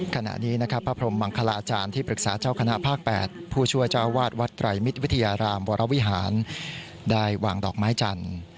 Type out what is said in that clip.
ขณะนี้นะครับพระพรมมังคลาอาจารย์ที่ปรึกษาเจ้าคณะภาค๘ผู้ช่วยเจ้าวาดวัดไตรมิตรวิทยารามวรวิหารได้วางดอกไม้จันทร์